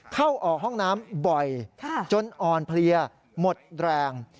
เข้าออกห้องน้ำบ่อยจนอ่อนเพลียหมดแรง